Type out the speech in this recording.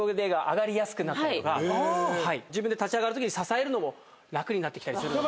自分で立ち上がるときに支えるのも楽になってきたり。